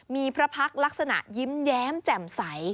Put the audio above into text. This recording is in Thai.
มีพระพักษ์ลักษณะยิ้มแย้มแจ่มใส